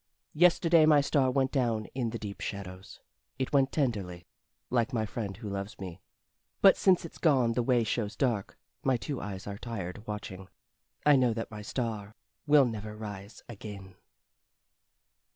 Yesterday my star went down in the deep shadows. It went tenderly Like my friend who loves me; But since it's gone the way shows dark my two eyes are tired watching: I know that my star will never rise again.